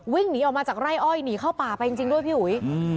วิ่งหนีออกมาจากไร่อ้อยหนีเข้าป่าไปจริงด้วยพี่อุ๋ย